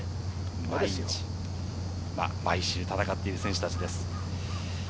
毎週戦っている選手たちです。